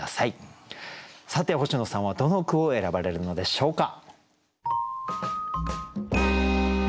さて星野さんはどの句を選ばれるのでしょうか？